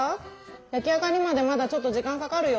焼き上がりまでまだちょっと時間かかるよ。